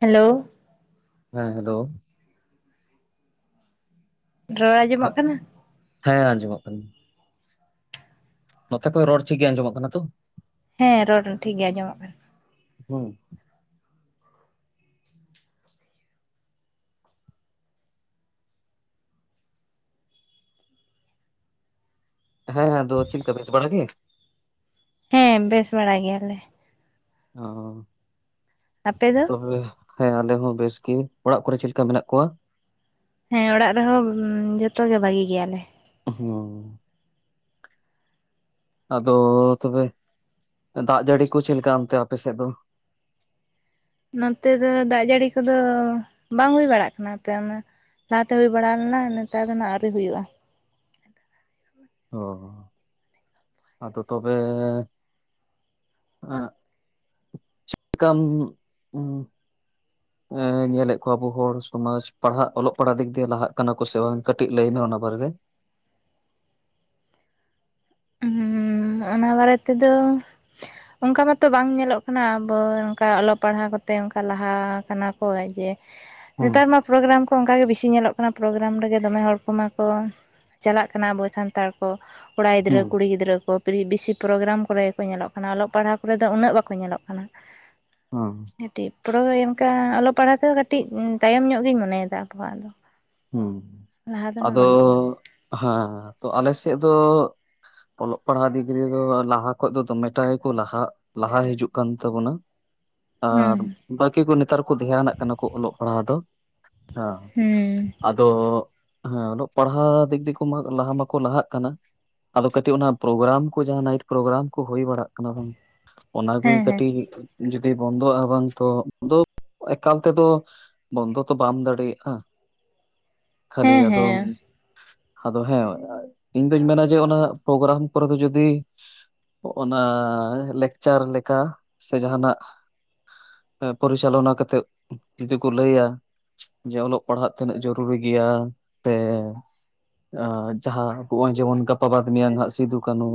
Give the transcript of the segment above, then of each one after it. Hello ᱦᱮᱸ hello. ᱨᱚᱲ ᱟᱸᱡᱚᱢᱚᱜ ᱠᱟᱱᱟ᱾ ᱦᱮᱸ ᱟᱸᱡᱚᱢᱚᱜ ᱠᱟᱱᱟ᱾ ᱱᱚᱛᱮ ᱠᱚ ᱨᱚᱲ ᱴᱷᱤᱠ ᱜᱮ ᱟᱸᱡᱚᱢᱚᱜ ᱠᱟᱱᱟ ᱛᱚ᱾ ᱦᱮᱸ ᱨᱚᱲ ᱴᱷᱤᱠ ᱜᱮ ᱟᱸᱡᱚᱢᱚᱜ ᱠᱟᱱᱟ᱾ [inaudible] ᱦᱮᱸᱻᱦᱮᱸ ᱟᱫᱚ ᱪᱮᱫ ᱞᱮᱠᱟ ᱵᱮᱥ ᱵᱟᱲᱟ ᱜᱮ? ᱦᱮᱸ ᱵᱮᱥ ᱵᱟᱲᱟ ᱜᱮᱭᱟᱻᱞᱮ ᱚᱻ ᱟᱯᱮ ᱫᱚ? ᱛᱚᱵᱮ ᱦᱮᱸ ᱟᱞᱮ ᱦᱚᱸ ᱵᱮᱥ ᱜᱮ, ᱚᱲᱟᱜ ᱠᱚᱨᱮ ᱪᱮᱫ ᱞᱮᱠᱟ ᱢᱮᱱᱟᱜ ᱠᱚᱣᱟ? ᱦᱮᱸ ᱚᱲᱟᱜ ᱨᱮᱦᱚᱸ ᱡᱚᱛᱚ ᱜᱮ ᱵᱷᱟᱜᱤ ᱜᱮᱭᱟᱞᱮ᱾ ᱦᱩᱸ ᱟᱫᱚ ᱛᱚᱵᱮ ᱫᱟᱜ ᱡᱟᱹᱲᱤ ᱠᱚ ᱪᱮᱫ ᱞᱮᱠᱟ ᱚᱱᱛᱮ ᱟᱯᱮᱥᱮᱫ ᱫᱚ᱾ ᱱᱚᱛᱮ ᱫᱚ ᱫᱟᱜ ᱡᱟᱹᱲᱤ ᱠᱚᱫᱚ ᱵᱟᱝ ᱦᱩᱭ ᱵᱟᱲᱟᱜ ᱠᱟᱱᱟ ᱟᱯᱮ ᱚᱱᱟ᱾ ᱞᱟᱦᱟᱛᱮ ᱦᱩᱭ ᱵᱟᱲᱟ ᱞᱮᱱᱟ, ᱱᱮᱛᱟᱨ ᱫᱚ ᱱᱟᱦᱟᱜ ᱟᱹᱣᱨᱤ ᱦᱩᱭᱩᱜᱼᱟ᱾ ᱚ, ᱟᱫᱚ ᱛᱚᱵᱮ᱾ ᱟᱸᱦ ᱪᱮᱫᱠᱻᱟᱢ [unintelligible] ᱦ ᱮᱸ ᱧᱮᱞᱻᱮᱫ ᱠᱚᱣᱟ ᱟᱵᱚ ᱦᱚᱲ ᱥᱚᱢᱟᱡᱽ ᱯᱟᱲᱦᱟᱜ ᱚᱞᱚᱜ ᱯᱟᱲᱦᱟᱜ ᱫᱤᱠ ᱫᱤᱭᱮ ᱞᱟᱦᱟᱜ ᱠᱟᱱᱟ ᱠᱚ ᱥᱮ ᱵᱟᱝ ᱠᱟᱹᱴᱤᱡ ᱞᱟᱹᱭ ᱢᱮ ᱚᱱᱟ ᱵᱟᱨᱮ ᱨᱮ ᱦᱩᱸ ᱚᱱᱟ ᱵᱟᱨᱮ ᱛᱮ ᱫᱚ ᱚᱱᱠᱟ ᱢᱟᱛᱚ ᱵᱟᱝ ᱧᱮᱞᱚᱜ ᱠᱟᱱᱟ ᱟᱵᱚ ᱚᱱᱠᱟ ᱚᱞᱚᱜ ᱯᱟᱲᱦᱟᱣ ᱠᱚᱛᱮ ᱚᱱᱠᱟ ᱞᱟᱦᱟ ᱠᱟᱱᱟ ᱠᱚ ᱡᱮ ᱦᱩᱸ ᱱᱮᱛᱟᱨ ᱢᱟ ᱯᱨᱳᱜᱨᱟᱢ ᱠᱚ ᱚᱱᱠᱟ ᱜᱮ ᱵᱮᱥᱤ ᱧᱮᱞᱚᱜ ᱠᱟᱱᱟ ᱯᱨᱳᱜᱨᱟᱢ ᱨᱮᱜᱮ ᱫᱚᱢᱮ ᱦᱚᱲ ᱠᱚᱢᱟ ᱠᱚ ᱪᱟᱞᱟᱜ ᱠᱟᱱᱟ ᱟᱵᱚ ᱥᱟᱱᱛᱟᱲ ᱠᱚ, ᱠᱚᱲᱟ ᱜᱤᱫᱽᱨᱟᱹ ᱦᱩᱸ ᱠᱩᱲᱤ ᱜᱤᱫᱽᱨᱟᱹ ᱯᱨᱤ ᱵᱮᱥᱤ ᱯᱨᱳᱜᱨᱟᱢ ᱠᱚᱨᱮ ᱜᱮ ᱠᱚ ᱧᱮᱞᱚᱜ ᱠᱟᱱᱟ, ᱚᱞᱚᱜ ᱯᱟᱲᱦᱟᱜ ᱠᱚᱨᱮ ᱫᱚ ᱩᱱᱟᱹᱜ ᱵᱟᱠᱚ ᱧᱮᱞᱚᱜ ᱠᱟᱱᱟ ᱳᱸᱦ ᱠᱟᱹᱴᱤᱡ ᱯᱚᱲᱳᱭ ᱚᱱᱠᱟ ᱚᱞᱚᱜ ᱯᱟᱲᱦᱟᱜ ᱛᱮᱫᱚᱸ ᱠᱟᱹᱴᱤᱡ ᱛᱟᱭᱚᱢ ᱧᱚᱜ ᱜᱤᱧ ᱢᱚᱱᱮᱭᱮᱻᱫᱟ ᱟᱵᱚᱣᱟᱜ ᱫᱚ ᱦᱳᱸ ᱞᱟᱦᱟ ᱫᱚ ᱱᱟᱜ ᱟᱫᱚ ᱵᱟᱹᱱᱩᱜᱼᱟ ᱦᱟᱸ ᱛᱚ ᱟᱞᱮ ᱥᱮᱫ ᱫᱚ ᱚᱞᱚᱜ ᱯᱟᱲᱦᱟᱜ ᱰᱤᱜᱽᱨᱤ ᱫᱚ ᱞᱟᱦᱟ ᱠᱷᱚᱡ ᱫᱚᱢᱮ ᱴᱟ ᱦᱮ ᱠᱚ ᱞᱟᱦᱟᱜ ᱞᱟᱦᱟ ᱦᱤᱡᱩᱜ ᱠᱟᱱ ᱛᱟᱹᱵᱚᱱᱟ ᱟᱨ ᱦᱩᱸ ᱵᱟᱹᱠᱤ ᱠᱚ ᱱᱮᱛᱟᱨ ᱠᱚ ᱫᱷᱮᱭᱟ ᱱᱟᱜ ᱠᱟᱱᱟ ᱠᱚ ᱚᱞᱚᱜ ᱯᱟᱲᱦᱟᱜ ᱫᱚ ᱦᱟ ᱦᱩᱸ ᱟᱫᱚ ᱦᱟᱸ ᱚᱞᱚᱜ ᱯᱟᱲᱦᱟᱜ ᱫᱤᱠ ᱫᱤᱠᱩ ᱢᱟ ᱞᱟᱦᱟ ᱢᱟᱠᱚ ᱞᱟᱦᱟᱜ ᱠᱟᱱᱟ ᱟᱫᱚ ᱠᱟᱹᱴᱤᱡ ᱚᱱᱟ ᱯᱨᱳᱜᱨᱟᱢ ᱠᱚ ᱡᱟᱦᱟᱸ ᱱᱟᱭᱤᱴ ᱯᱨᱳᱜᱨᱟᱢ ᱠᱚ ᱦᱩᱭ ᱵᱟᱲᱟᱜ ᱠᱟᱱᱟ ᱵᱟᱝ, ᱚᱱᱟ ᱠᱚᱻᱮ ᱦᱮᱸ ᱦᱮᱸ ᱠᱟᱹᱴᱤᱡ ᱡᱩᱫᱤ ᱵᱚᱱᱫᱚᱜᱼᱟ ᱵᱟᱝ ᱛᱚ ᱫᱳ ᱮᱠᱟᱞ ᱛᱮᱫᱚ ᱵᱚᱱᱫᱚ ᱛᱚ ᱵᱟᱢ ᱫᱟᱲᱮᱭᱟᱜᱼᱟ᱾ ᱠᱷᱟᱹᱞᱤ ᱦᱮᱸ ᱟᱫ ᱦᱮᱸ ᱟᱫᱚ ᱦᱮᱸ ᱤᱧ ᱫᱩᱧ ᱢᱮᱱᱟ ᱡᱮ ᱚᱱᱟ ᱯᱨᱳᱜᱨᱟᱢ ᱠᱚᱨᱮ ᱫᱚ ᱡᱩᱫᱤ ᱚᱱᱟ ᱞᱮᱠᱪᱟᱨ ᱞᱮᱠᱟ ᱥᱮ ᱡᱟᱦᱟᱱᱻᱟᱜ ᱮᱻ ᱯᱚᱨᱤᱪᱟᱞᱚᱱᱟ ᱠᱟᱛᱮᱜ ᱡᱩᱫᱤ ᱠᱚ ᱞᱟᱹᱭᱟ ᱡᱮ ᱚᱞᱚᱜ ᱯᱟᱲᱦᱟᱜ ᱛᱤᱱᱟᱹᱜ ᱡᱚᱨᱩᱨᱤ ᱜᱮᱭᱟ ᱛᱮ ᱟᱸᱻ ᱡᱟᱦᱟᱸ ᱠᱚ ᱵᱟᱝ ᱡᱮᱢᱚᱱ ᱜᱟᱯᱟ ᱵᱟᱫ ᱢᱮᱭᱟᱝ ᱦᱟᱜ ᱥᱤᱫᱩ- ᱠᱟᱹᱱᱩ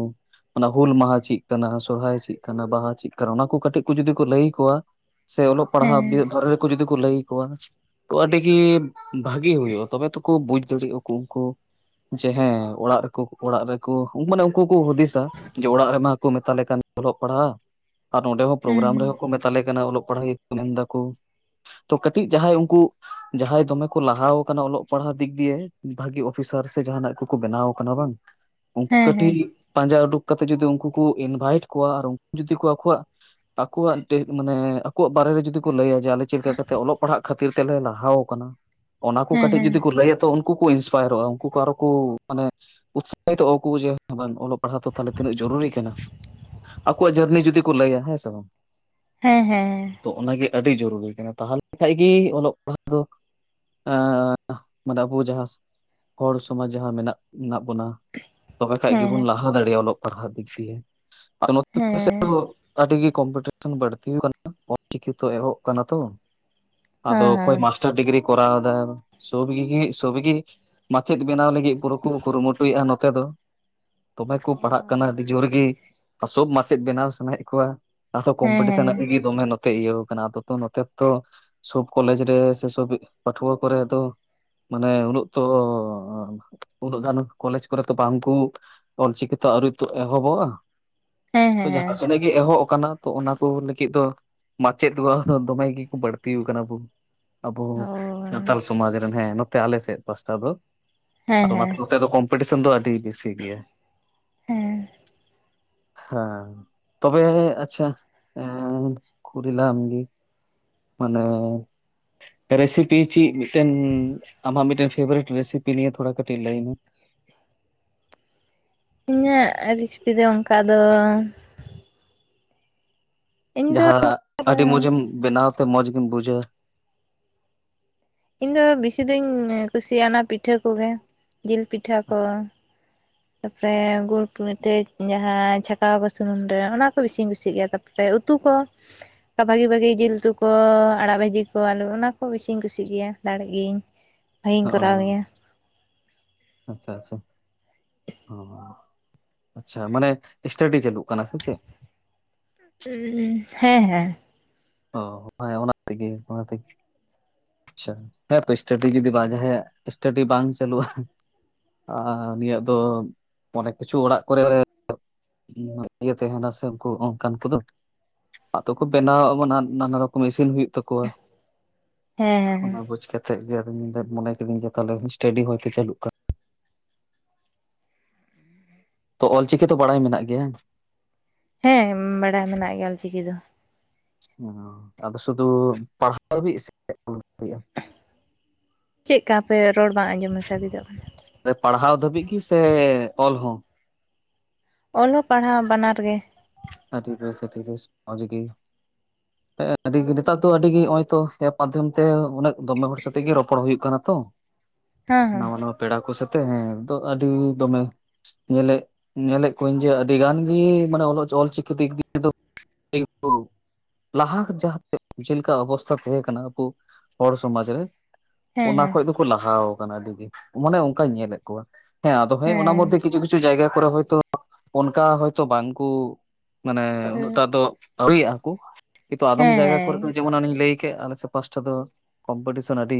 ᱚᱱᱟ ᱦᱩᱞ ᱢᱟᱦᱟᱸ ᱪᱮᱫ ᱠᱟᱱᱟ, ᱥᱚᱨᱦᱟᱭ ᱪᱮᱫ ᱠᱟᱱᱟ, ᱵᱟᱦᱟ ᱪᱮᱫ ᱠᱟᱱᱟ ᱚᱱᱟ ᱠᱚ ᱠᱟᱹᱴᱤᱡ ᱠᱚ ᱡᱩᱫᱤ ᱠᱚ ᱞᱟᱹᱭ ᱟᱠᱚᱣᱟ᱾ ᱥᱮ ᱚᱞᱚᱜ ᱦᱮᱸ ᱯᱟᱲᱦᱟᱜ ᱵᱮ ᱨᱮᱠᱚ ᱡᱩᱫᱤ ᱠᱚ ᱞᱟᱹᱭ ᱟᱠᱚᱣᱟ ᱛᱚ ᱟᱹᱰᱤᱜᱤ ᱵᱷᱟᱜᱤ ᱦᱩᱭᱩᱜᱼᱟ ᱵᱩᱡ ᱫᱟᱲᱮᱭᱟᱜᱼᱟ ᱠᱩ ᱩᱱᱠᱩ ᱡᱮ ᱦᱮᱸ ᱚᱲᱟᱜ ᱨᱮ ᱠᱚ, ᱚᱲᱟᱜ ᱨᱮ ᱠᱚ ᱢᱟᱱᱮ ᱩᱱᱠᱩ ᱠᱚ ᱦᱩᱫᱤᱥᱟ ᱡᱮ ᱚᱲᱟᱜ ᱨᱮᱢᱟ ᱠᱚ ᱢᱮᱛᱟᱞᱮ ᱠᱟᱱ ᱚᱞᱚᱜ ᱯᱟᱲᱦᱟᱜ ᱟᱨ ᱱᱚᱸᱰᱮ ᱦᱚᱸ ᱦᱩᱸ ᱯᱨᱳᱜᱨᱟᱢ ᱨᱮᱦᱚᱸ ᱠᱚ ᱢᱮᱛᱟᱞᱮ ᱠᱟᱱᱟ ᱚᱞᱚᱜ ᱯᱟᱲᱦᱟᱜ ᱢᱮᱱ ᱫᱟᱠᱚ ᱛᱚ, ᱠᱟᱹᱴᱤᱡ ᱡᱟᱦᱟᱸᱭ ᱩᱱᱠᱩ ᱡᱟᱦᱟᱸᱭ ᱫᱚᱢᱮ ᱠᱚ ᱞᱟᱦᱟᱣ ᱚᱞᱚᱜ ᱯᱟᱲᱦᱟᱜ ᱫᱤᱠ ᱫᱤᱭᱮ ᱵᱷᱟᱜᱤ ᱚᱯᱷᱤᱥᱟᱨ ᱥᱮ ᱡᱟᱦᱱᱟᱜ ᱠᱚᱻᱠᱚ ᱵᱮᱱᱟᱣ ᱠᱟᱱᱟ ᱵᱟᱝ? ᱩᱱᱠᱩ ᱦᱮᱸ ᱦᱮᱸ ᱠᱟᱹᱴᱤᱡ ᱯᱟᱸᱡᱟ ᱩᱰᱩᱠ ᱠᱛᱮᱫ ᱡᱚᱫᱤ ᱩᱱᱠᱩ ᱠᱚ ᱤᱱᱵᱷᱟᱭᱤᱴ ᱠᱚᱣᱟ ᱟᱨ ᱩᱱᱠᱩ ᱡᱚᱫᱤ ᱠᱚ ᱟᱠᱚᱣᱟᱜ ᱟᱠᱚᱣᱟᱜ ᱮᱱᱛᱮᱫ ᱢᱟᱱᱮ ᱟᱠᱚᱣᱟᱜ ᱵᱟᱨᱮ ᱨᱮ ᱡᱩᱫᱤᱳ ᱠᱚ ᱞᱟᱹᱭᱟ, ᱡᱮ ᱟᱞᱮ ᱪᱮᱫ ᱞᱮᱠᱟ ᱠᱟᱛᱮ ᱚᱞᱚᱜ ᱯᱟᱲᱦᱟᱜ ᱠᱷᱟᱹᱛᱤᱨ ᱛᱮ ᱞᱮ ᱞᱟᱦᱟᱣ ᱟᱠᱟᱱᱟ᱾ ᱚᱱᱟ ᱠᱚ ᱦᱮᱸ ᱠᱟᱹᱴᱤᱡ ᱦᱮᱸ ᱡᱩᱫᱤ ᱠᱩ ᱞᱟᱹᱭᱟ ᱛᱚ ᱩᱱᱠᱩ ᱠᱩ ᱤᱱᱥᱯᱟᱭᱟᱨᱚᱜᱼᱟ ᱩᱱᱠᱩ ᱠᱚ ᱟᱨᱚ ᱠᱚ ᱢᱟᱱᱮ ᱩᱛᱥᱟᱦᱤᱛᱚᱜᱼᱟ ᱟᱠᱚ ᱡᱮ ᱵᱟᱝ ᱚᱞᱚᱜ ᱯᱟᱲᱦᱟᱜ ᱫᱚ ᱛᱟᱦᱞᱮ ᱛᱤᱱᱟᱹᱜ ᱡᱚᱨᱩᱨᱤ ᱠᱟᱱᱟ ᱟᱠᱚᱣᱻᱟᱜ ᱡᱟᱹᱨᱱᱤ ᱡᱩᱫᱤ ᱠᱚ ᱞᱟᱹᱭᱟ ᱦᱮᱸ ᱥᱮ ᱵᱟᱝ᱾ ᱦᱮᱸᱻᱦᱮᱸᱻᱦᱮᱸ ᱛᱚ ᱚᱱᱟ ᱜᱮ ᱟᱹᱰᱤ ᱡᱚᱨᱩᱨᱤ ᱠᱟᱱᱟ ᱛᱟᱦᱚᱞᱮ ᱠᱷᱟᱱ ᱜᱮ ᱚᱞᱚᱜ ᱯᱟᱲᱦᱟᱜᱻᱫᱚ ᱟᱸᱻ ᱢᱟᱱᱮ ᱟᱵᱩ ᱡᱟᱦᱟᱸ ᱦᱚᱲ ᱥᱚᱢᱟᱡᱽ ᱡᱟᱦᱟᱸ ᱢᱮᱱᱟᱜ ᱢᱮᱱᱟᱜ ᱵᱚᱱᱟ ᱛᱚᱵᱮ ᱠᱷᱟᱡ ᱦᱮᱸ ᱦᱮᱸ ᱜᱮᱵᱚᱱ ᱞᱟᱦᱟ ᱫᱟᱲᱮᱭᱟᱜᱼᱟ᱾ ᱚᱞᱚᱜ ᱯᱟᱲᱦᱟᱜ ᱫᱤᱠ ᱫᱤᱭᱮ ᱚᱛ ᱟᱨ ᱦᱮᱸ ᱱᱚᱛᱮ ᱟᱹᱰᱤ ᱜᱮ ᱠᱚᱢᱯᱤᱴᱤᱥᱚᱱ ᱵᱟᱹᱲᱛᱤ ᱟᱠᱟᱱᱟ ᱚᱞᱼᱪᱤᱠᱤ ᱛᱚ ᱮᱦᱚᱵ ᱟᱠᱟᱱᱟ ᱛᱚ ᱦᱮᱸ ᱟᱫᱚ ᱦᱮᱸ ᱚᱠᱚᱭ ᱢᱟᱥᱴᱟᱨ ᱰᱤᱜᱽᱨᱤ ᱠᱚᱨᱟᱣ ᱮᱫᱟ, ᱥᱚᱵᱤᱜ ᱥᱚᱵᱤᱜᱤ ᱢᱟᱪᱮᱫ ᱵᱮᱱᱟᱣ ᱞᱟᱹᱜᱤᱫ ᱯᱩᱨᱟᱹ ᱠᱚ ᱠᱩᱨᱩᱢᱩᱴᱩᱭᱮᱫᱼᱟ ᱱᱚᱛᱮ ᱫᱚ, ᱫᱚᱢᱮ ᱠᱚ ᱯᱟᱲᱦᱟᱜ ᱠᱟᱱᱟ ᱟᱹᱰᱤ ᱡᱳᱨ ᱜᱮ ᱟᱥᱳᱠ ᱢᱟᱪᱮᱫ ᱵᱮᱱᱟᱣ ᱥᱟᱱᱟᱭᱮᱫ ᱠᱚᱣᱟ ᱟᱫᱚ ᱦᱮᱸ ᱠᱚᱢᱯᱤᱴᱤᱥᱚᱱ ᱜᱮ ᱫᱚᱢᱮ ᱛᱮ ᱤᱭᱟᱹᱣ ᱠᱟᱱᱟ ᱟᱫᱚ ᱱᱚᱛᱮ ᱛᱚ ᱥᱚᱵ ᱠᱚᱞᱮᱡᱽ ᱨᱮ ᱥᱮ ᱥᱳᱵ ᱯᱟᱹᱴᱷᱩᱣᱟᱹ ᱠᱚᱨᱮ ᱫᱚ ᱢᱟᱱᱮ ᱩᱱᱟᱹᱜ ᱛᱚ, ᱩᱱᱟᱹᱜ ᱜᱟᱱ ᱠᱚᱞᱮᱡᱽ ᱠᱚᱨᱮ ᱛᱚ ᱵᱟᱝ ᱠᱩ ᱚᱞᱼᱪᱤᱠᱤ ᱛᱚ ᱟᱹᱣᱨᱤ ᱛᱳ ᱮᱦᱚᱵᱚᱜᱼᱟ, ᱦᱮᱸ ᱛᱳ ᱦᱮᱸ ᱡᱟᱦᱟ ᱦᱮᱸ ᱛᱤᱱᱟᱹᱜ ᱜᱮ ᱜᱮ ᱮᱦᱚᱵ ᱟᱠᱟᱱᱟ ᱛᱚ ᱚᱱᱟ ᱠᱚ ᱞᱟᱹᱜᱤᱫ ᱫᱚ ᱢᱟᱪᱮᱫ ᱠᱚ ᱫᱚᱢᱮ ᱜᱮᱠᱚ ᱵᱟᱹᱲᱛᱤ ᱟᱠᱟᱱᱟ ᱵᱚ ᱾ ᱟᱵᱚ ᱚ ᱥᱟᱱᱛᱷᱟᱞ ᱥᱚᱢᱟᱡᱽ ᱨᱮᱱ ᱦᱮᱸ ᱱᱚᱛᱮ ᱟᱞᱮ ᱥᱮᱫ ᱯᱟᱥᱴᱟ ᱫᱚ ᱦᱮᱸ ᱟᱫᱚ ᱦᱮᱸ ᱚᱱᱟᱛᱮ ᱱᱚᱛᱮ ᱫᱚ ᱠᱚᱢᱯᱤᱴᱤᱥᱮᱱ ᱫᱚ ᱟᱹᱰᱤ ᱵᱮᱥᱤ ᱜᱮᱭᱟ᱾ ᱦᱮᱸᱻ ᱦᱮᱸ ᱛᱚᱵᱮ ᱟᱪᱪᱷᱟ ᱮ ᱠᱩᱨᱤᱞᱟᱢ ᱜᱮ᱾ ᱢᱟᱱᱮ ᱯᱮᱨᱮ ᱥᱤᱴ ᱾ [unintelligible] ᱟᱢᱟᱜ ᱢᱤᱫᱴᱮᱱ ᱯᱷᱮᱵᱟᱨᱤᱴ ᱨᱮᱥᱤᱯᱤ ᱱᱤᱭᱮ ᱛᱷᱚᱲᱟ ᱠᱟᱹᱴᱤᱡ ᱞᱟᱹᱭ ᱢᱮ᱾ ᱤᱧᱟᱹᱜ ᱨᱮᱥᱤᱯᱤ ᱫᱚ ᱚᱱᱠᱟ ᱫᱚ ᱤᱧ ᱫᱚ ᱡᱟᱦᱟᱸ ᱟᱹᱰᱤ ᱢᱚᱡᱮᱢ ᱵᱮᱱᱟᱣ ᱛᱮ ᱢᱚᱡᱮᱢ ᱵᱩᱡᱟ᱾ ᱤᱧ ᱫᱚ ᱵᱤᱥᱤ ᱫᱩᱧ ᱠᱩᱥᱤᱭᱟᱜ ᱚᱱᱟ ᱯᱤᱴᱷᱟᱹ ᱠᱚᱜᱮ, ᱡᱤᱞ ᱯᱤᱴᱷᱟᱹ ᱠᱚ᱾ ᱛᱟᱯᱚᱨᱮ ᱜᱩᱲ ᱯᱤᱴᱷᱟ. ᱡᱟᱦᱟᱸ ᱪᱷᱟᱸᱠᱟᱣ ᱟᱠᱚ ᱥᱩᱱᱩᱢ ᱨᱮ ᱚᱱᱟ ᱠᱚ ᱵᱤᱥᱤᱧ ᱠᱩᱥᱤᱭᱟᱜ ᱜᱮᱭᱟ ᱛᱟᱨ ᱯᱚᱨᱮ᱾ ᱨᱮ ᱩᱛᱩ ᱠᱚ᱾ ᱵᱷᱟᱹᱜᱤ ᱵᱷᱟᱹᱜᱤ ᱡᱤᱞ ᱩᱛᱩ ᱠᱚ ᱟᱲᱟᱜ ᱵᱷᱟᱹᱡᱤ ᱠᱚ ᱟᱞᱩ ᱚᱱᱟ ᱠᱚ ᱵᱤᱥᱤᱧ ᱠᱩᱥᱤᱜ ᱜᱮᱭᱟ ᱫᱟᱲᱮᱜ ᱜᱤᱭᱟᱹᱧ᱾ [unintelligible] ᱚ ᱜᱮᱭᱟ ᱟᱪᱪᱷᱟ ᱟᱪᱪᱷᱟ ᱚ᱾ ᱟᱪᱪᱷᱟ ᱢᱟᱱᱮ ᱥᱴᱟᱰᱤ ᱪᱟᱹᱞᱩᱜ ᱠᱟᱱᱟ ᱥᱮ ᱪᱮᱫ? [unintelligible] ᱦᱮᱸ ᱦᱮᱸ ᱚ ᱦᱮᱸ ᱚᱱᱟ ᱛᱮᱜᱮ ᱚᱱᱟ ᱛᱮᱜᱮ᱾ ᱟᱪᱪᱷᱟ ᱦᱮᱸ ᱥᱮᱞᱯᱚ ᱮᱥᱴᱤᱰᱤ ᱡᱩᱫᱤ ᱵᱟ ᱡᱟᱸᱦᱟᱭᱟᱜ ᱮᱥᱴᱤᱰᱤ ᱵᱟᱝ ᱪᱟᱹᱞᱩᱜᱼᱟ᱾ ᱟᱨ ᱱᱤᱭᱟ ᱫᱚ ᱚᱱᱮᱠ ᱠᱤᱪᱷᱩ ᱚᱲᱟᱜ ᱠᱚᱨᱮ ᱤᱭᱟᱹ ᱛᱮ ᱫᱩ ᱥᱮ ᱩᱱᱠᱩ ᱚᱱᱠᱟᱱ ᱠᱚᱫᱚ ᱟᱫᱚ ᱠᱚ ᱵᱮᱱᱟᱣ ᱟ᱾ ᱚᱱᱟ ᱱᱟᱱᱟ ᱨᱚᱠᱚᱢ ᱤᱥᱤᱱ ᱦᱩᱭᱩᱜ ᱛᱟᱠᱚᱣᱟ ᱦᱮᱸ ᱦᱮᱸ ᱚᱱᱟ ᱵᱩᱡ ᱠᱟᱛᱮ ᱛᱮᱫ ᱜᱮ ᱟᱫᱚ ᱢᱮᱱ ᱢᱚᱱᱮ ᱠᱤᱫᱤᱧ ᱡᱮ ᱛᱟᱦᱚᱞᱮ ᱥᱴᱟᱰᱤ ᱦᱚᱭᱛᱮ ᱪᱟᱹᱞᱩᱜ ᱠᱟᱱ ᱛᱚ ᱚᱞᱪᱤᱠᱤ ᱛᱚ ᱵᱟᱲᱟᱭ ᱢᱮᱱᱟᱜ ᱜᱮᱭᱟ ᱦᱮᱸ ᱵᱟᱰᱟᱭ ᱢᱮᱱᱟᱜ ᱜᱮᱭᱟ ᱚᱪᱤᱠᱤ ᱫᱚ᱾ ᱚ, ᱟᱫᱚ ᱥᱩᱫᱩ ᱯᱟᱲᱦᱟᱣ [unintelligible] ᱪᱮᱫ ᱠᱟ ᱯᱮ ᱨᱚᱲ ᱵᱟᱝ ᱟᱸᱡᱚᱢ ᱥᱟᱵᱤᱫᱚᱫ ᱠᱟᱱᱟ? ᱯᱟᱲᱦᱟᱣ ᱫᱷᱟᱹᱵᱤᱡ ᱜᱮ ᱥᱮ ᱚᱞ ᱦᱚᱸ-? ᱚᱞᱚᱜ ᱯᱟᱲᱦᱟᱣ ᱵᱟᱱᱟᱨ ᱜᱮ᱾ ᱟᱹᱰᱤ ᱵᱮᱥ ᱟᱹᱰᱤ ᱵᱮᱥ ᱢᱚᱡᱽ ᱜᱮ᱾ [unintelligible] [unintelligible] ᱱᱮᱛᱟᱨ ᱫᱚ ᱟᱹᱰᱤ ᱜᱮ ᱱᱚᱼᱚᱭ ᱛᱚ ᱮᱯ ᱢᱟᱫᱽᱫᱷᱚᱢ ᱛᱮ ᱩᱱᱟᱹᱜ ᱫᱚᱢᱮ ᱦᱚᱲ ᱥᱟᱛᱮᱜ ᱜᱮ ᱨᱚᱯᱚᱲ ᱦᱩᱭᱩᱜ ᱠᱟᱱᱟ ᱛᱚ᱾ ᱦᱮᱸ ᱦᱮᱸ ᱱᱟᱣᱟ ᱱᱟᱣᱟ ᱯᱮᱲᱟ ᱠᱚ ᱥᱟᱛᱮᱜ ᱦᱮᱸ ᱟᱹᱰᱤ ᱫᱚᱢᱮ ᱧᱮᱞᱮᱜ ᱧᱮᱞᱮᱫ ᱠᱩᱣᱟᱹᱧ ᱡᱮ ᱟᱹᱰᱤ ᱜᱟᱱ ᱜᱮ ᱢᱟᱱᱮ ᱚᱞᱚᱜ ᱚᱞᱪᱤᱠᱤ [inaudible] ᱞᱟᱦᱟ [unintelligible] ᱪᱮᱞᱠᱟ ᱚᱵᱚᱥᱛᱷᱟ ᱛᱟᱦᱮᱸ ᱠᱟᱱᱟ ᱟᱵᱚ ᱦᱚᱲ ᱥᱚᱢᱟᱡ ᱨᱮ ᱦᱮᱸ ᱚᱱᱟ ᱦᱮᱸ ᱠᱷᱚᱡ ᱫᱚᱠᱚ ᱞᱟᱦᱟᱣ ᱟᱠᱟᱱᱟ ᱟᱹᱰᱤ ᱜᱮ ᱢᱟᱱᱮ ᱧᱮᱞᱮᱫ ᱠᱚᱣᱟ ᱦᱮᱸ ᱟᱫᱚ ᱚᱱᱟ ᱢᱚᱫᱽᱫᱷᱮ ᱦᱮᱸ ᱨᱮ ᱠᱤᱪᱷᱩ ᱠᱤᱪᱷᱩ ᱠᱤᱪᱷᱩ ᱡᱟᱭᱜᱟ ᱠᱚᱨᱮ ᱦᱚᱭᱛᱳ ᱚᱱᱠᱟ ᱦᱚᱭᱛᱚ ᱵᱟᱝ ᱠᱩ ᱢᱟᱱᱮ ᱦᱮᱸ ᱩᱱᱟᱹᱜᱴᱟᱜ ᱫᱚ ᱟᱹᱣᱨᱤᱭᱟᱜ ᱟᱠᱚ ᱠᱤᱱᱛᱩ ᱟᱫᱚᱢ ᱡᱟᱭᱜᱟ ᱠᱚᱨᱮ ᱦᱮᱸ ᱫᱚ ᱡᱮᱢᱚᱱ ᱞᱟᱹᱭ ᱠᱮ ᱟᱞᱮ ᱥᱮᱫ ᱯᱟᱥᱴᱟ ᱫᱚ ᱠᱚᱢᱯᱤᱴᱤᱥᱚᱱ ᱟᱹᱰᱤ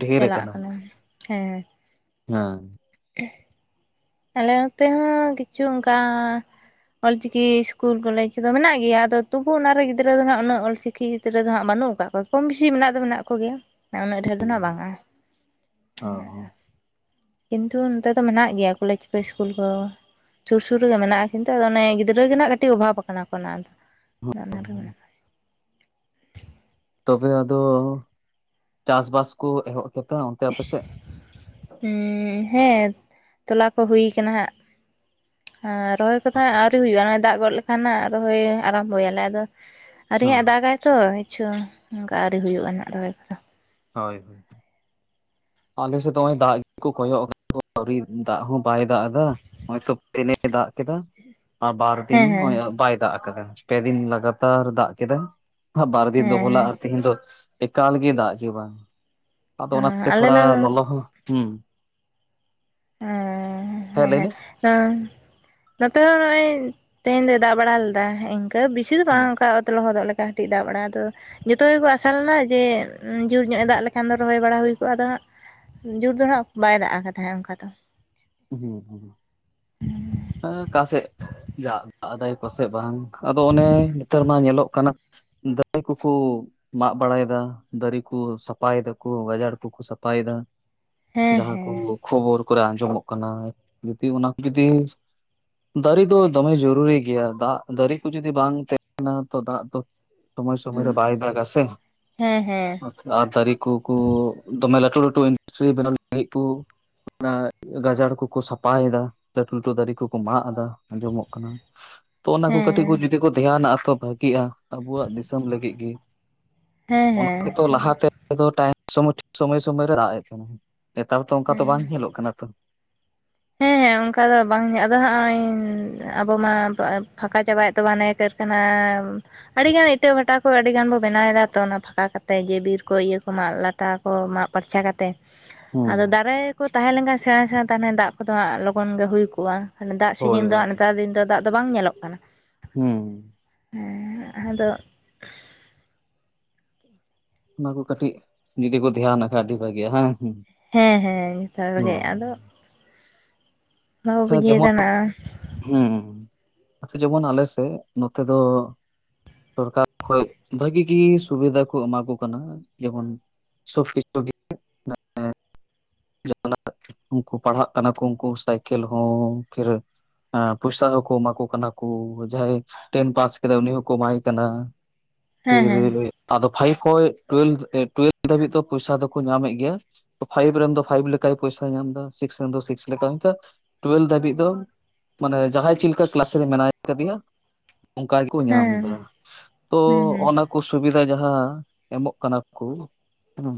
ᱰᱷᱮᱨ ᱪᱟᱞᱟᱜ ᱟᱠᱟᱱᱟ᱾ ᱠᱟᱱᱟ ᱦᱮᱸ ᱦᱟᱸ [unintelligible] ᱟᱞᱮ ᱱᱚᱛᱮ ᱦᱚᱸ ᱠᱤᱪᱷᱩ ᱚᱱᱠᱟ ᱚᱞᱪᱤᱠᱤ ᱤᱥᱠᱩᱞ ᱠᱚᱞᱮᱡᱽ ᱠᱚᱫᱚ ᱢᱮᱱᱟᱜ ᱜᱮᱭᱟ, ᱟᱫᱚ ᱛᱚᱵᱩ ᱚᱱᱟ ᱨᱮ ᱜᱤᱫᱽᱨᱟᱹ ᱫᱚᱦᱱᱟᱜ ᱩᱱᱟᱹᱜ ᱚᱞᱪᱤᱠᱤ [unintelligible] ᱨᱮᱫᱚ ᱦᱟᱸᱜ ᱵᱟᱹᱱᱩᱜ ᱠᱟᱜ ᱠᱚᱣᱟ ᱠᱚᱢ ᱵᱮᱥᱤ ᱢᱮᱱᱟᱜ ᱫᱚ ᱢᱮᱱᱟᱜ ᱠᱚᱜᱮᱭᱟ ᱩᱱᱟᱹᱜ ᱰᱷᱮᱨ ᱫᱚ ᱦᱟᱸᱜ ᱵᱟᱝᱼᱟ᱾ ᱚ [unintelligible] ᱠᱤᱱᱛᱩ ᱚᱱᱛᱮ ᱫᱚ ᱢᱮᱱᱟᱜ ᱜᱮᱭᱟ ᱠᱚᱞᱮᱡᱽ ᱠᱚ ᱤᱥᱠᱩᱞ ᱠᱚ᱾ ᱥᱩᱨ ᱥᱩᱨ ᱨᱮᱜᱮ ᱢᱮᱱᱟᱜᱼᱟ ᱠᱤᱱᱛᱩ ᱟᱫᱚ ᱚᱱᱮ ᱜᱤᱫᱽᱨᱟᱹ ᱜᱮᱱᱟᱜ ᱠᱟᱹᱴᱤᱡ ᱚᱵᱷᱟᱵ ᱠᱟᱱᱟ ᱠᱚ ᱚᱱᱟᱫᱚ ᱦᱩᱸ᱾ [unintelligible] ᱛᱚᱵᱮ ᱟᱫᱚ ᱪᱟᱥ ᱵᱟᱥ ᱠᱚ ᱮᱦᱚᱵ ᱠᱮᱫᱟ ᱚᱱᱛᱮ ᱟᱯᱮᱥᱮᱫ? ᱩᱸ ᱦᱮᱸ ᱛᱚᱞᱟ ᱠᱚ ᱦᱩᱭ ᱠᱟᱱᱟ ᱦᱟᱸᱜ᱾ ᱦᱚ ᱨᱚᱦᱚᱭ ᱠᱚᱫᱚ ᱦᱟᱸᱜ ᱟᱹᱣᱨᱤ ᱦᱩᱭᱩᱜᱼᱟ ᱱᱚᱭ ᱫᱟᱜ ᱜᱚᱫ ᱞᱮᱠᱷᱟᱱ ᱱᱟᱜ ᱨᱚᱦᱚᱭ ᱟᱨᱟᱢᱵᱚᱭᱟᱞᱮ ᱟᱫᱚ ᱟᱨᱤ ᱦᱮᱸ ᱦᱟᱸᱜ ᱫᱟᱜᱟᱭ ᱛᱚ ᱦᱤᱸᱪᱷᱩ ᱚᱱᱠᱟ ᱟᱹᱣᱨᱤ ᱦᱩᱭᱩᱜᱼᱟ ᱱᱟᱜ ᱨᱚᱦᱚᱭ ᱠᱚᱫᱚ ᱦᱳᱭ ᱟᱞᱮᱥᱮᱫ ᱫᱚ ᱱᱚᱜ ᱚᱭ ᱫᱟᱜ ᱜᱮᱠᱚ ᱠᱚᱭᱚᱜ ᱠᱟᱫᱟᱠᱚ ᱟᱹᱣᱨᱤ ᱫᱟᱜ ᱦᱚᱸ ᱵᱟᱭ ᱫᱟᱜ ᱫᱟ ᱦᱚᱜᱚᱭᱛᱚ ᱯᱮᱱᱮ ᱫᱟᱜ ᱠᱮᱫᱟ ᱵᱟᱨᱫᱤᱱ ᱦᱮᱸ ᱦᱮᱸ ᱱᱚᱩ ᱵᱟᱭ ᱫᱟᱜ ᱟᱠᱟᱫᱟ ᱯᱮᱫᱤᱱ ᱞᱟᱜᱟᱛᱟᱨ ᱫᱟᱜ ᱠᱮᱫᱟ᱾ ᱵᱟᱨᱫᱤᱱ ᱫᱚ ᱦᱮᱸ ᱦᱚᱞᱟ ᱟᱨ ᱛᱮᱦᱤᱧ ᱫᱚ ᱮᱠᱟᱞ ᱜᱮ ᱫᱟᱜ ᱪ ᱵᱟᱝ ᱟᱫᱚ ᱚᱱᱟ ᱦᱮᱸ ᱟᱞᱮ ᱛᱷᱚᱲᱟ ᱱᱚᱣᱟ ᱞᱚᱞᱚ ᱦᱚᱸ ᱦᱩᱸ ᱮᱸ ᱦᱮᱸ ᱞᱟᱹᱭ ᱦᱮᱸ ᱢᱮ ᱚᱸ ᱱᱚᱛᱮ ᱦᱚᱸ ᱱᱚᱜᱼᱚᱭ ᱛᱮᱦᱮᱧ ᱫᱚ ᱫᱟᱜ ᱵᱟᱲᱟ ᱞᱮᱫᱟ᱾ ᱚᱱᱠᱟ ᱵᱤᱥᱤᱫ ᱫᱚ ᱦᱩᱸ ᱵᱟᱝ ᱚᱱᱠᱟ ᱚᱛ ᱞᱚᱦᱚᱫᱚᱜ ᱞᱮᱠᱟ ᱠᱟᱹᱴᱤᱡ ᱫᱟᱜ ᱵᱟᱲᱟ ᱟᱫᱚ ᱡᱚᱛᱚ ᱜᱮᱠᱚ ᱟᱥᱟ ᱞᱮᱱᱟ ᱡᱮ ᱡᱳᱨ ᱧᱚᱜ ᱮ ᱫᱟᱜ ᱞᱮᱠᱷᱟᱱ ᱫᱚ ᱨᱚᱦᱚᱭ ᱵᱟᱲᱟ ᱦᱩᱭ ᱠᱚᱜᱼᱟ ᱟᱫᱚ ᱦᱟᱸᱜ ᱡᱳᱨ ᱫᱚ ᱦᱟᱸᱜ ᱵᱟᱭ ᱫᱟᱜ ᱟᱠᱟ ᱛᱟᱦᱮᱸᱫ ᱚᱱᱠᱟ ᱫᱚ᱾ ᱦᱩᱸ ᱦᱩᱸ ᱚᱠᱟᱥᱮᱫ ᱫᱟᱜ ᱫᱟᱜᱫᱟᱭ ᱯᱟᱥᱮᱫ ᱵᱟᱝ ᱟᱫᱚ ᱚᱱᱮ ᱱᱮᱛᱟᱨ ᱢᱟ ᱧᱮᱞᱚᱜ ᱠᱟᱱᱟ ᱫᱟᱨᱮ ᱠᱩᱠᱩ ᱢᱟᱜ ᱵᱟᱲᱟᱭ ᱫᱟ ᱫᱟᱨᱤᱠᱩ ᱥᱟᱯᱷᱟᱭᱮ ᱫᱟᱠᱩ ᱜᱟᱡᱟᱲ ᱠᱩᱠᱚ ᱥᱟᱯᱷᱟᱭᱮᱫᱟ, ᱦᱮᱸ ᱡᱟᱦᱟᱸ ᱠᱚ ᱦᱮᱸ ᱠᱷᱚᱵᱚᱨ ᱠᱚᱨᱮ ᱟᱸᱡᱚᱢᱚᱜ ᱠᱟᱱᱟ ᱡᱩᱫᱤ ᱚᱱᱟ ᱠᱚ ᱡᱩᱫᱤ ᱫᱟᱨᱮ ᱫᱚ ᱫᱚᱢᱮ ᱡᱚᱨᱩᱨᱤ ᱜᱮᱭᱟ ᱫᱟᱜ ᱫᱟᱨᱮ ᱠᱚ ᱡᱩᱫᱤ ᱵᱟᱝ ᱛᱟᱦᱮᱱᱟ ᱛᱚ ᱫᱟᱜ ᱫᱚ ᱥᱚᱢᱚᱭ ᱥᱚᱢᱚᱭ ᱨᱮ ᱵᱟᱭ ᱫᱟᱜᱟ ᱥᱮ, ᱦᱮᱸ ᱦᱮᱸ ᱟᱨ ᱫᱟᱨᱮ ᱠᱚᱠᱩ ᱫᱚᱢᱮ ᱞᱟᱹᱴᱩ ᱞᱟᱹᱴᱩ ᱤᱱᱰᱟᱥᱴᱨᱤ ᱵᱮᱱᱟᱣ ᱞᱟᱹᱜᱤᱫ ᱠᱚ ᱚᱱᱟ ᱜᱟᱡᱟᱲ ᱠᱩᱠᱚ ᱥᱟᱯᱷᱟᱭᱮᱫᱟ ᱞᱟᱹᱴᱩ ᱞᱟᱹᱴᱩ ᱫᱟᱨᱮ ᱠᱚᱠᱩ ᱢᱟᱜ ᱮᱫᱟ ᱟᱸᱡᱚᱢᱚᱜ ᱠᱟᱱᱟ ᱾ ᱛᱚ ᱚᱱᱟ ᱠᱚ ᱠᱟᱹᱴᱤᱡ ᱦᱮᱸ ᱠᱚ ᱡᱩᱫᱤ ᱠᱚ ᱫᱷᱮᱱᱟᱜᱼᱟ ᱛᱚ ᱵᱷᱟᱜᱤᱜᱼᱟ ᱾ ᱟᱵᱚᱣᱟᱜ ᱫᱤᱥᱚᱢ ᱞᱟᱹᱜᱤᱫ ᱜᱮ ᱦᱮᱸ ᱚᱱᱟ ᱦᱮᱸ ᱜᱮᱛᱚ ᱞᱟᱦᱟᱛᱮ ᱛᱮᱫᱚ ᱴᱟᱤ ᱥᱚᱢᱚᱭ ᱥᱚᱢᱚᱭ ᱨᱮ ᱨᱟᱮᱫ ᱛᱟᱦᱮᱱᱟᱭ ᱱᱮᱛᱟᱨ ᱛᱚ ᱚᱝᱠᱟ ᱫᱚ ᱚᱱᱠᱟ ᱛᱚ ᱵᱟᱝ ᱧᱮᱞᱚᱜ ᱠᱟᱱᱟ ᱛᱚ᱾ ᱦᱮᱸ ᱚᱱᱠᱟ ᱫᱚ ᱵᱟᱝ ᱦᱚᱸᱜᱚᱭ ᱟᱫᱚ ᱟᱵᱚ ᱢᱟ ᱯᱟ ᱯᱷᱟᱸᱠᱟ ᱪᱟᱵᱟᱭᱮᱫ ᱛᱚᱵᱚ ᱦᱟᱱᱮ ᱠᱟᱹᱨᱠᱟᱱᱟ ᱟᱹᱰᱤ ᱜᱟᱱ ᱤᱴᱟᱹᱜ ᱵᱷᱟᱴᱟ ᱠᱚ ᱟᱹᱰᱤ ᱜᱟᱱ ᱵᱚ ᱵᱮᱱᱟᱣ ᱫᱟ ᱛᱚ ᱚᱱᱟ ᱯᱷᱟᱠᱟ ᱠᱟᱛᱮᱜ ᱜᱮ ᱵᱤᱨ ᱠᱚ ᱤᱭᱟᱹ ᱠᱚ ᱢᱟᱜ ᱞᱴ ᱼᱼ ᱛᱟ ᱠᱚ ᱢᱟᱜ ᱯᱷᱟᱨᱪᱟ ᱠᱟᱛᱮ ᱦᱩᱸ ᱟᱫᱚ ᱫᱟᱨᱮ ᱠᱚ ᱛᱟᱦᱮᱸᱞᱮᱱᱠᱷᱟᱱ ᱥᱮᱬᱟ ᱥᱮᱬᱟ ᱛᱟᱦᱞᱮ ᱱᱟᱜ ᱫᱟᱜ ᱠᱚᱫᱚ ᱦᱟᱸᱜ ᱞᱚᱜᱚᱱ ᱜᱮ ᱦᱩᱭ ᱠᱚᱜᱼᱟ᱾ ᱦᱟᱱᱮ ᱫᱟᱜ ᱦᱳᱭ ᱥᱤᱡᱤᱱ ᱫᱚ ᱦᱳᱭ ᱱᱮᱛᱟᱨ ᱫᱤᱱ ᱫᱚ ᱫᱟᱜ ᱫᱚ ᱵᱟᱝ ᱧᱮᱞᱚᱜ ᱠᱟᱱᱟ᱾ ᱦᱩᱸ ᱦᱮᱸ ᱟᱫᱚ ᱚᱱᱟ ᱠᱚ ᱠᱟᱹᱴᱤᱡ ᱡᱩᱫᱤ ᱵᱚ ᱫᱷᱮᱭᱟᱱᱟ ᱠᱷᱟᱱ ᱟᱹᱰᱤ ᱵᱷᱟᱜᱮᱼᱟ ᱵᱟᱝ ᱥᱮ ᱦᱮᱸ ᱦᱮᱸ ᱱᱮᱛᱟᱨ ᱜᱮ ᱟᱫᱚ ᱦᱚ ᱟᱪᱪᱷᱟ ᱵᱩᱡᱷᱤᱭᱟᱹ ᱡᱮᱢᱚᱱ ᱫᱟᱱᱟ ᱦᱩᱸ ᱡᱮᱢᱚᱱ ᱟᱞᱮ ᱥᱮᱫ ᱱᱚᱛᱮ ᱫᱚ ᱥᱚᱨᱠᱟᱨ ᱠᱷᱚᱡ ᱵᱷᱟᱹᱜᱤ ᱜᱮ ᱥᱩᱵᱤᱫᱷᱟ ᱠᱚ ᱮᱢᱟ ᱠᱚ ᱠᱟᱱᱟ ᱡᱮᱢᱚᱱ ᱡᱷᱚᱛᱚ ᱠᱤᱪᱷᱩ ᱜᱮ ᱱᱮ ᱱᱟᱜ ᱩᱱᱠᱩ ᱯᱟᱲᱦᱟᱜ ᱠᱟᱱᱟ ᱠᱚ ᱩᱱᱠᱩ ᱥᱟᱭᱠᱮᱞ ᱦᱚᱸ ᱯᱷᱤᱨᱮ ᱯᱚᱭᱥᱟ ᱦᱚᱸᱠᱚ ᱮᱢᱟ ᱠᱚ ᱠᱟᱱᱟ ᱠᱚ ᱡᱟᱦᱟᱸᱟᱭ ᱴᱮᱱ ᱯᱟᱥ ᱠᱮᱫᱟᱭ ᱩᱱᱤ ᱦᱚᱸ ᱠᱚᱢᱟᱭ ᱠᱟᱱᱟ ᱦᱮᱸ ᱯᱷᱤᱨᱤ ᱦᱮᱸ ᱨᱮ ᱟᱫᱚ ᱯᱷᱟᱭᱤᱵᱷ ᱠᱷᱚᱡ ᱴᱩᱭᱮᱞ ᱴᱩᱭᱮᱞ ᱫᱷᱟᱹᱵᱤᱡ ᱫᱚ ᱯᱚᱭᱥᱟ ᱫᱚᱠᱚ ᱧᱟᱢᱮᱫ ᱜᱮᱭᱟ ᱾ ᱯᱷᱟᱭᱤᱵᱷ ᱨᱮᱱ ᱫᱚ ᱯᱷᱟᱭᱤᱵᱷ ᱞᱮᱠᱟᱭ ᱯᱚᱭᱥᱟᱭ ᱧᱟᱢ ᱮᱫᱟ ᱥᱤᱠᱥ ᱨᱮᱱ ᱫᱚ ᱥᱤᱠᱥ ᱞᱮᱠᱟ ᱤᱱᱠᱟ ᱴᱩᱭᱮᱞ ᱫᱷᱟᱹᱵᱤᱡ ᱫᱚ ᱢᱟᱱᱮ ᱡᱟᱦᱟᱸᱭ ᱪᱮᱫ ᱞᱮᱠᱟ ᱠᱮᱞᱟᱥ ᱨᱮ ᱢᱮᱱᱟᱭ ᱟᱠᱟᱫᱮᱭᱟ ᱾ ᱚᱱᱠᱟ ᱜᱮᱠᱚ ᱧᱟᱢ ᱦᱮᱸ ᱫᱟ ᱛᱚ ᱦᱩᱸ ᱦᱩᱸ ᱚᱱᱟ ᱠᱩ ᱥᱩᱵᱤᱫᱷᱟ ᱡᱟᱦᱟᱸ ᱮᱢᱚᱜ ᱠᱟᱱᱟ ᱠᱚ ᱦᱩᱸ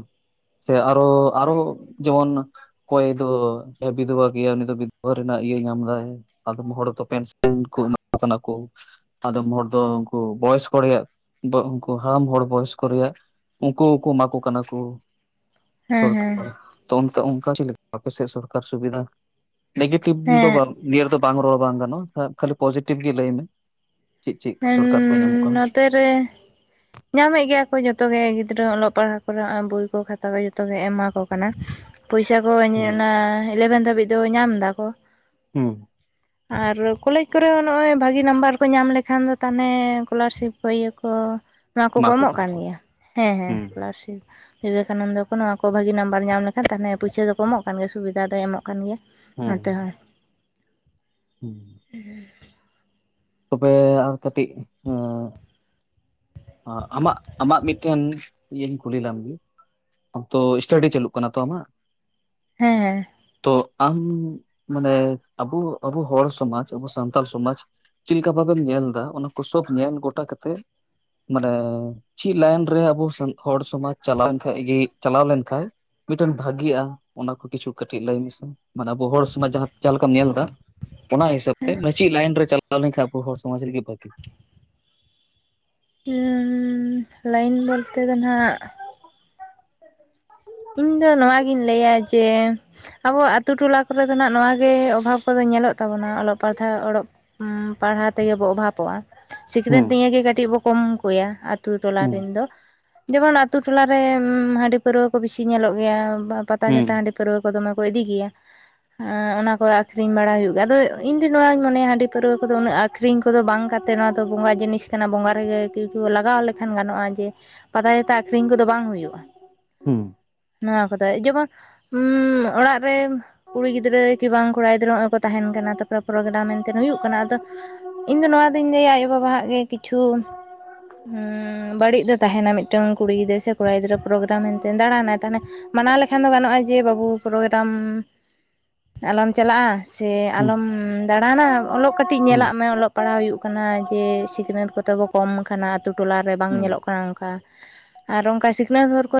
ᱥᱮ ᱟᱨᱚ ᱟᱨᱚ ᱡᱮᱢᱚᱱ ᱚᱠᱚᱭ ᱫᱚ ᱵᱤᱫᱵᱟ ᱜᱮᱭᱟ ᱩᱱᱤ ᱫᱚ ᱵᱤ ᱼᱼ ᱫᱷᱚᱵᱟ ᱨᱮᱱᱟᱜ ᱤᱭᱟᱹ ᱧᱟᱢ ᱫᱟᱭ ᱟᱫᱚᱢ ᱦᱚᱲ ᱫᱚ ᱯᱮᱱᱥᱮᱱ ᱠᱚ ᱮᱢᱟ ᱠᱚ ᱠᱟᱱᱟ ᱠᱚ ᱟᱫᱚᱢ ᱦᱚᱲ ᱫᱚ ᱩᱱᱠᱩ ᱵᱚᱭᱚᱥᱠᱚ ᱨᱮᱭᱟᱜ ᱩᱱᱠᱩ ᱦᱟᱲᱟᱢ ᱦᱚᱲ ᱵᱚᱭᱚᱥᱠᱚ ᱨᱮᱭᱟᱜ ᱾ ᱩᱱᱠᱩ ᱠᱩ ᱮᱢᱟ ᱠᱚ ᱠᱟᱱᱟ ᱠᱩ ᱦᱮᱸ ᱥᱚᱨᱠᱟᱨ ᱛᱚ ᱚᱱᱠᱟ ᱚᱱᱠᱟ ᱪᱮᱫ ᱞᱮᱠᱟ ᱟᱯ ᱥᱮᱫ ᱥᱚᱨᱠᱟᱨ ᱥᱩᱵᱤᱫᱷᱟ ᱱᱮᱜᱮᱴᱤᱵᱷ ᱫᱚ ᱦᱮᱸ ᱵᱟᱝ ᱱᱤᱭᱟᱹ ᱫᱚ ᱵᱟᱝ ᱨᱚᱲ ᱵᱟᱝ ᱜᱟᱱᱚᱜᱼᱟ ᱠᱷᱟᱹᱞᱤ ᱯᱚᱡᱮᱴᱤᱵᱷ ᱜᱮ ᱞᱟᱹᱭ ᱢᱮ᱾ ᱪᱮᱫ ᱪᱮᱫ ᱦᱮᱸ ᱥᱚᱨᱠᱟᱨ ᱠᱷᱚᱱ ᱧᱟᱢᱚᱜ ᱠᱟᱱᱟ ᱱᱚᱛᱮ ᱨᱮ ᱧᱟᱢᱮᱫ ᱜᱮᱭᱟ ᱠᱚ ᱡᱚᱛᱚᱜ ᱜᱮ ᱜᱤᱫᱽᱨᱟᱹ ᱚᱞᱚᱜ ᱯᱟᱲᱦᱟᱜ ᱠᱚᱨᱮ ᱵᱳᱭ ᱠᱚ ᱠᱷᱟᱛᱟ ᱠᱚ ᱡᱚᱛᱚᱜᱮ ᱮᱢᱟ ᱠᱚ ᱠᱟᱱᱟ ᱾ ᱯᱚᱭᱥᱟ ᱠᱚ ᱦᱩᱸ ᱚᱱᱟ ᱤᱞᱮᱵᱷᱮᱱ ᱫᱷᱟᱹᱵᱤᱡ ᱫᱚ ᱧᱟᱢ ᱫᱟᱠᱚ ᱦᱩᱸ ᱟᱨ ᱠᱚᱞᱮᱡᱽ ᱠᱚᱨᱮ ᱦᱚᱸ ᱱᱚᱜ ᱚᱭ ᱵᱷᱟᱜᱤ ᱱᱟᱢᱵᱟᱨ ᱠᱚ ᱧᱟᱢ ᱞᱮᱠ ᱮᱱᱠᱷᱟᱱ ᱫᱚ ᱛᱟᱦᱚᱞᱮ ᱮ ᱠᱚᱞᱟᱨᱥᱤᱯ ᱠᱚ ᱤᱭᱟᱹ ᱠᱚ ᱚᱱᱟ ᱠᱚ ᱠᱚ ᱮᱢᱟ ᱮᱢᱚᱜ ᱠᱟᱱᱟ ᱠᱟᱱ ᱠᱚ ᱜᱮᱭᱟ ᱦᱮᱸ ᱦᱮᱸ ᱦᱩᱸ ᱥᱠᱚᱞᱟᱨᱥᱤᱯ ᱵᱤᱵᱮᱠᱟᱱᱚᱱᱫᱚ ᱠᱚ ᱱᱚᱣᱟ ᱠᱚ ᱵᱷᱟᱹᱜᱤ ᱱᱟᱢᱵᱟᱨ ᱧᱟᱢ ᱞᱮᱠᱷᱟᱱ ᱛᱟᱦᱚᱞᱮ ᱯᱩᱭᱥᱟᱹ ᱫᱚ ᱠᱚᱢᱚᱜ ᱠᱟᱱ ᱜᱮᱭᱟ ᱥᱩᱵᱤᱫᱟ ᱫᱚᱭ ᱮᱢᱚᱜ ᱠᱟᱱ ᱜᱮᱭᱟ᱾ ᱦᱩᱸ ᱱᱚᱛᱮ ᱦᱳ [inaudible] ᱛᱚᱵᱮ ᱟᱨ ᱠᱟᱹᱴᱤᱡ ᱟᱢᱟᱜ ᱟᱢᱟᱜ ᱢᱤᱫᱴᱮᱱ ᱤᱭᱟᱹᱧ ᱠᱩᱞᱤ ᱞᱮᱢᱜᱮ ᱟ ᱛᱚ ᱥᱴᱟᱰᱤ ᱪᱟᱹᱞᱩᱜ ᱠᱟᱱᱟ᱾ ᱛᱚ ᱟᱢᱟᱜ ᱦᱮᱸ ᱛᱚ ᱟᱢ ᱢᱟᱱᱮ ᱟᱵᱚ ᱟᱵᱚ ᱦᱚᱲ ᱥᱚᱢᱟᱡᱽ ᱟᱵᱚ ᱥᱟᱱᱛᱟᱞ ᱥᱚᱢᱟᱡᱽ ᱪᱮᱫ ᱞᱮᱠᱟ ᱵᱷᱟᱵᱮᱢ ᱧᱮᱞ ᱮᱫᱟ ᱚᱱᱟ ᱠᱚ ᱥᱚᱵ ᱧᱮᱞ ᱜᱚᱴᱟ ᱠᱟᱛᱮᱜ ᱢᱟᱱᱮ ᱪᱮᱫ ᱞᱟᱭᱤᱱ ᱨᱮ ᱟᱵᱚ ᱦᱚᱲ ᱥᱚᱢᱟᱡᱽ ᱪᱟᱞᱟᱣ ᱠᱷᱟᱱ ᱜᱮ ᱪᱟᱞᱟᱣ ᱞᱮᱱᱠᱟᱱᱡ ᱢᱤᱫᱴᱮᱱ ᱵᱷᱟᱜᱤᱜᱼᱟ ᱚᱱᱟ ᱠᱚ ᱠᱤᱪᱷᱩ ᱠᱟᱹᱴᱤᱡ ᱞᱟᱹᱭ ᱢᱮᱥᱮ ᱢᱟᱱᱮ ᱟᱵᱚ ᱦᱚᱲ ᱥᱚᱢᱟᱡᱽ ᱡᱟᱦ.. ᱡᱟᱦᱟᱸ ᱞᱮᱠᱟᱢ ᱧᱮᱞ ᱮᱫᱟ ᱚᱱᱟ ᱦᱤᱥᱟᱹᱵ ᱛᱮ ᱢᱟ. ᱡᱷᱤ ᱞᱟᱭᱤᱱ ᱨᱮ ᱪᱟᱞᱟᱣ ᱞᱮᱱᱠᱷᱟᱱ ᱟᱵᱚ ᱦᱚᱲ ᱥᱚᱢᱟᱡᱽ ᱨᱮᱜᱮ ᱵᱷᱟᱜᱤ ᱦᱚᱸ ᱞᱟᱭᱤᱱ ᱵᱚᱞᱛᱮ ᱫᱚ ᱦᱟᱸᱜ ᱤᱧ ᱫᱚ ᱱᱚᱣᱟᱜᱤᱧ ᱞᱟᱹᱭᱟ ᱡᱮ ᱟᱵᱚ ᱟᱹᱛᱩ ᱴᱚᱞᱟ ᱠᱚᱨᱮ ᱫᱚ ᱦᱟᱸᱜ ᱱᱚᱣᱟ ᱜᱮ ᱚᱵᱷᱟᱣ ᱠᱚᱫᱚ ᱧᱮᱞᱚᱜ ᱛᱟᱵᱚᱱᱟ ᱚᱞᱚᱜ ᱯᱟᱲᱦᱟᱜ ᱚᱞᱚᱜ ᱯᱟᱲᱦᱟᱣ ᱛᱮᱜᱮ ᱵᱚ ᱚᱵᱷᱟᱯᱚᱜ-ᱟ ᱥᱤᱠᱨᱮᱴ ᱦᱩᱸ ᱱᱤᱭᱟᱹᱜᱮ ᱠᱟᱹᱴᱤᱡ ᱵᱚ ᱠᱚᱢ ᱠᱚᱭᱟ ᱟᱛ ᱴᱚᱞᱟᱮᱱ ᱦᱩᱸ ᱨᱮᱱ ᱫᱚ ᱡᱮᱢᱚᱱ ᱟ ᱟᱛᱳ ᱴᱚᱞᱟᱮ ᱦᱟᱺᱰᱤ ᱯᱟᱹᱨᱣᱨᱟᱹ ᱠᱚ ᱵᱤᱥᱤ ᱧᱮᱞᱚᱜ ᱜᱮᱭᱟ ᱯᱟᱛᱟ ᱦᱩᱸ ᱡᱟᱛᱟ ᱦᱟᱺᱰᱤ ᱯᱟᱹᱨᱣᱟᱹ ᱠᱚ ᱫᱚᱢᱮ ᱠᱚ ᱤᱫᱤ ᱜᱮᱭᱟ᱾ ᱟᱨ ᱚᱱᱟ ᱠᱚ ᱟᱹᱠᱷᱨᱤᱧ ᱵᱟᱲᱟ ᱦᱩᱭᱩᱜ ᱜᱮᱭᱟ ᱟᱫᱚ ᱤᱧ ᱫᱚ ᱱᱚᱣᱟᱧ ᱢᱚᱱᱮᱭᱟ ᱦᱟᱺᱰᱤ ᱯᱟᱹᱨᱣᱟᱹ ᱠᱚᱫᱚ ᱩᱱᱟᱹᱜ ᱟᱹᱠᱷᱨᱤᱧ ᱠᱚᱫᱚ ᱵᱟᱝ ᱠᱚᱛᱮᱫ ᱱᱚᱣᱟ ᱛᱚ ᱵᱚᱸᱜᱟ ᱡᱤᱱᱤᱥ ᱠᱟᱱᱟ ᱵᱚᱸᱜᱟ ᱨᱮᱜᱮ ᱠᱚ ᱞᱟᱜᱟᱣ ᱞᱮᱠᱷᱟᱱ ᱜᱟᱱᱚᱜᱼᱟ ᱡᱮ ᱯᱟᱛᱟ- ᱪᱷᱟᱛᱟ ᱟᱠᱷᱨᱤᱧ ᱠᱚᱫᱚ ᱵᱟᱝ ᱦᱩᱭᱩᱜᱼᱟ᱾ ᱦᱩᱸ ᱱᱚᱣᱟ ᱠᱚᱫᱚ ᱡᱮᱢᱚᱱ ᱩᱻ ᱚᱲᱟᱜ ᱨᱮ ᱠᱩᱲᱤ ᱜᱤᱫᱽᱨᱟᱹ ᱠᱤ ᱵᱟᱝ ᱠᱚᱲᱟ ᱜᱤᱫᱽᱨᱟᱹ ᱱᱚᱜᱼᱚᱭ ᱠᱚ ᱛᱟᱦᱮᱱ ᱠᱟᱱᱟ᱾ ᱛᱟᱨᱯᱚᱨ ᱯᱨᱳᱜᱟᱨᱢ ᱢᱮᱱᱛᱮ ᱦᱩᱭᱩᱜ ᱠᱟᱱᱟ᱾ ᱟᱫᱚ ᱤᱧ ᱫᱚ ᱱᱚᱣᱟ ᱫᱚᱩᱧ ᱞᱟᱹᱭᱟ ᱟᱭᱳ ᱵᱟᱵᱟ-ᱟᱜ ᱜᱮ ᱠᱤᱪᱷᱩ ᱵᱟᱹᱲᱤᱡ ᱫᱚ ᱛᱟᱦᱮᱱᱟ ᱢᱤᱫᱴᱟᱝ ᱠᱩᱲᱤ ᱜᱤᱫᱽᱨᱟᱹ ᱥᱮ ᱠᱚᱲᱟ ᱜᱤᱫᱽᱨᱟᱹ ᱯᱨᱳᱜᱨᱟᱢ ᱮᱱᱛᱮ ᱫᱟᱲᱟᱱᱟᱭ ᱛᱟᱦᱚᱞᱮ ᱢᱟᱱᱟᱣ ᱞᱮᱠᱷᱟᱱ ᱫᱚ ᱜᱟᱱᱚᱜᱼᱟ ᱡᱮ ᱵᱟᱹᱵᱩ ᱯᱨᱳᱜᱨᱟᱢ ᱟᱞᱚᱢ ᱪᱟᱞᱟᱜᱼᱟ ᱥᱮ ᱦᱩᱸ ᱟᱞᱚᱢ ᱫᱟᱲᱟᱱᱟ ᱚᱞᱚᱜ ᱠᱟᱹᱴᱤᱡ ᱦᱩᱸ ᱧᱮᱞᱟᱜ ᱢᱮ ᱚᱞᱚᱜ ᱯᱟᱲᱦᱟᱣ ᱦᱩᱭᱩᱜ ᱠᱟᱱᱟ ᱡᱮ ᱥᱤᱠᱷᱱᱟᱹᱛ ᱠᱚᱛᱮ ᱵᱚ ᱠᱚᱢ ᱠᱟᱱᱟ ᱟᱹᱛᱳ ᱴᱚᱞᱟᱨᱮ ᱵᱟᱝ ᱦᱩᱸ ᱧᱮᱞᱚᱜ ᱠᱟᱱᱟ ᱚᱱᱠᱟ ᱟᱨ ᱚᱱᱠᱟ ᱥᱤᱠᱷᱱᱟᱹᱛ ᱦᱚᱨ ᱠᱚ